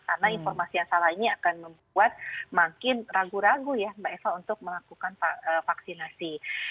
karena informasi yang salah ini akan membuat makin ragu ragu ya mbak eva untuk melakukan vaksinasi